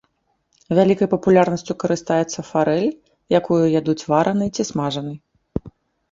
Вялікай папулярнасцю карыстаецца фарэль, якую ядуць варанай ці смажанай.